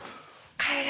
帰れ。